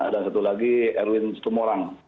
dan satu lagi erwin sumorang